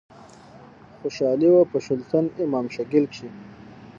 خوشحالي وه په شُلتن، امان شیګل کښي